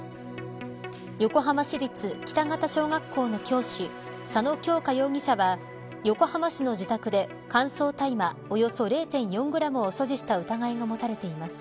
横浜市立北方小学校の教師佐野杏佳容疑者は横浜市の自宅で乾燥大麻およそ０．４グラムを所持した疑いが持たれています。